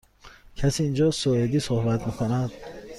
کسی اینجا سوئدی صحبت می کند؟